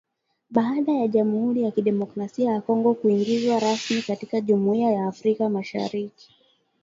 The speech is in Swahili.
Baada ya Jamuhuri ya Kidemokrasia ya Kongo kuingizwa rasmi katika Jumuiya ya Afrika Mashariki